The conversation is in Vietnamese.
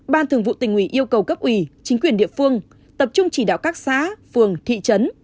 ban thường vụ tỉnh ủy yêu cầu cấp ủy chính quyền địa phương tập trung chỉ đạo các xã phường thị trấn